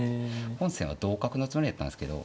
本線は同角のつもりやったんですけど。